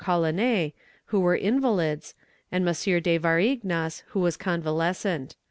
Collinet, who were invalids, and M. de Varignas, who was convalescent.